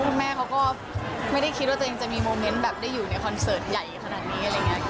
คุณแม่ก็ไม่ได้คิดว่าจะมีมอเมนท์แบบได้อยู่ในคอนเสร็จใหญ่ขนาดนี้